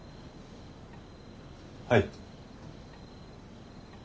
はい。